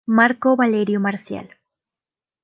Marco Valerio Marcial.